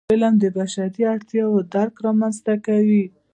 علم د بشري اړتیاوو درک رامنځته کوي.